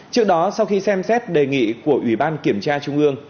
trước đó sau khi xem xét đề nghị của ủy ban kiểm tra trung ương